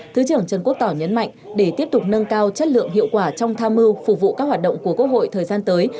thứ trưởng trần quốc tỏ nhấn mạnh để tiếp tục nâng cao chất lượng hiệu quả trong tham mưu phục vụ các hoạt động của quốc hội thời gian tới